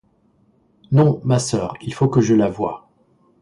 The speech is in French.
Non, ma soeur, il faut que je la voie.